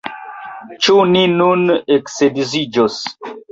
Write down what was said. Ĉu ni nun eksedziĝos!